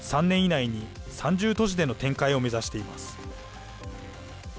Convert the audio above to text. ３年以内に３０都市での展開を目指しています。